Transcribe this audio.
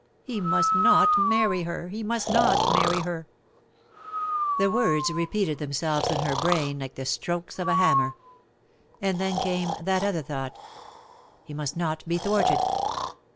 "He must not marry her, he must not marry her." / 152 DEAD LOVE HAS CHAINS. The words repeated themselves in her brain, like the strokes of a hammer. And then came that other thought. He must not be thwarted.